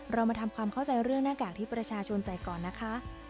เรามาทำความเข้าใจเรื่องหน้ากากที่ประชาชนใส่ก่อนนะคะ